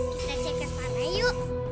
kita cepetan ayo